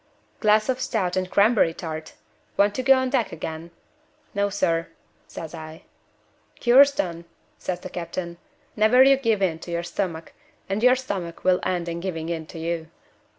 'Glass of stout and cranberry tart. Want to go on deck again?' 'No, sir,' says I. 'Cure's done,' says the captain. 'Never you give in to your stomach, and your stomach will end in giving in to you.